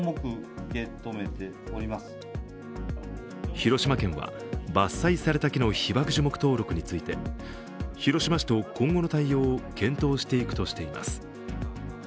広島県は、伐採された木の被爆樹木登録について広島市と今後の対応を検討していくとしています。